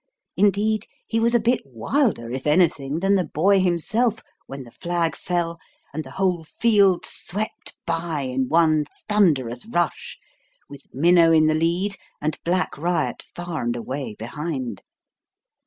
Indeed, he was a bit wilder, if anything, than the boy himself when the flag fell and the whole field swept by in one thunderous rush, with Minnow in the lead and Black Riot far and away behind.